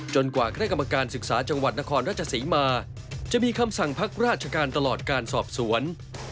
กว่าคณะกรรมการศึกษาจังหวัดนครราชศรีมาจะมีคำสั่งพักราชการตลอดการสอบสวน